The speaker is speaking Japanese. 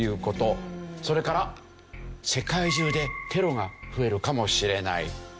それから世界中でテロが増えるかもしれない。